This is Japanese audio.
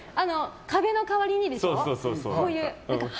壁の代わりにでしょ。